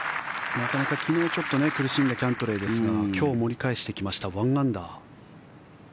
なかなか昨日苦しんだキャントレーですが今日、盛り返してきました１アンダー。